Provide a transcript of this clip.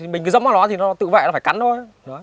mình cứ dẫm vào nó thì nó tự vệ nó phải cắn thôi